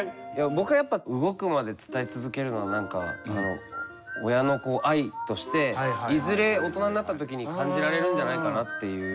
僕はやっぱ動くまで伝え続けるのは何か親の愛としていずれ大人になったときに感じられるんじゃないかなっていう。